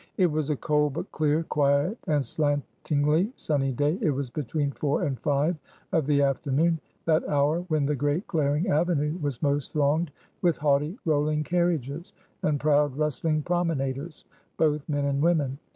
It was a cold, but clear, quiet, and slantingly sunny day; it was between four and five of the afternoon; that hour, when the great glaring avenue was most thronged with haughty rolling carriages, and proud rustling promenaders, both men and women.